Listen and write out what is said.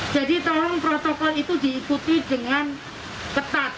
jadi tolong protokol itu diikuti dengan ketat